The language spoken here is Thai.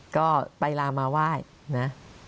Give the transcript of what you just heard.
ก็ไปลามาไหว้นะ